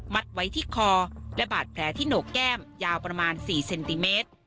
ไว้ที่คอและบาดแผลที่โหนกแก้มยาวประมาณ๔เซนติเมตร